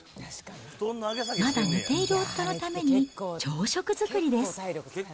まだ寝ている夫のために、朝食作りです。